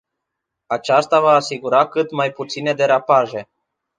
Aceasta va asigura cât mai puține derapaje.